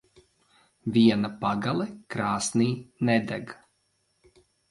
Viena pagale krāsnī nedeg.